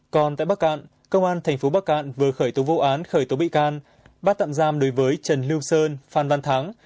còn tại bắc cạn công an thành phố bắc cạn vừa khởi tố vô án khởi tố bị can bắt tạm giam đối với trần lương sơn phan văn thắng